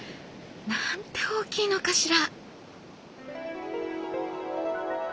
なんて大きいのかしら」。